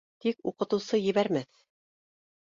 Тик уҡытыусы ебәрмәҫ.